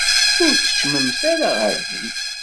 Ur keččmemt ara ɣer din.